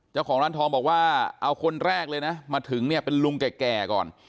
เจ้าของร้านทองบอกว่าเอาคนแรกเลยนะมาถึงเนี่ยเป็นลุงแก่ก่อน